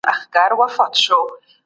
ناوړه کارونه نه پالل کېږي.